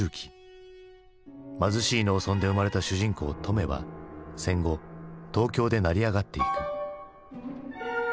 貧しい農村で生まれた主人公トメは戦後東京で成り上がっていく。